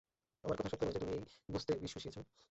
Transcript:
আমার কথা সত্য নয় যে, তুমি এই গোস্তে বিষ মিশিয়েছ?